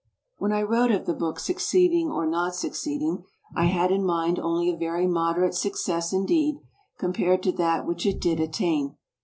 When I wrote of the book succeeding or not succeed* ing, I had in mind only a very moderate success indeed, compared to that which it did attain.